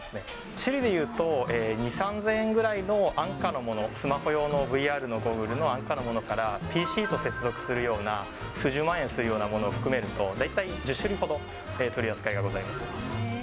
種類で言うと、２、３０００円ぐらいの安価なもの、スマホ用のＶＲのゴーグルの安価なものから、ＰＣと接続するような数十万円するようなものを含めると、大体１０種類ほど、取り扱いがございます。